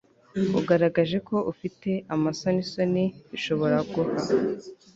ugaragaje ko ufite amasonisoni bishobora guha